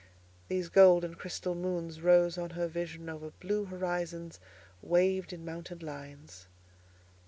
These gold and crystal moons rose on her vision over blue horizons waved in mounted lines.